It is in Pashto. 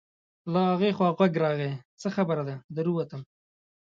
له هغې خوا غږ راغی: څه خبره ده، در ووتم.